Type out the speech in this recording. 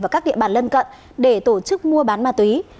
và các địa bàn lân cận để tổ chức mua bán ma túy